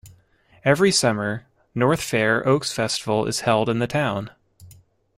Every summer, North Fair Oaks Festival is held in the town.